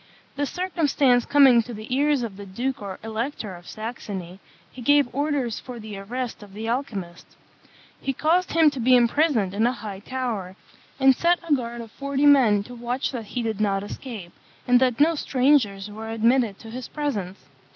The circumstance coming to the ears of the Duke or Elector of Saxony, he gave orders for the arrest of the alchymist. He caused him to be imprisoned in a high tower, and set a guard of forty men to watch that he did not escape, and that no strangers were admitted to his presence.